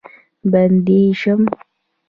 بندي شم.